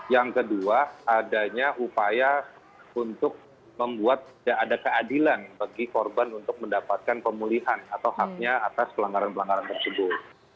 yang kedua adanya upaya untuk membuat tidak ada keadilan bagi korban untuk mendapatkan pemulihan atau haknya atas pelanggaran pelanggaran tersebut